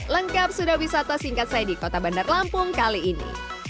lengkap sudah wisata singkat saya di kota bandar lampung kali ini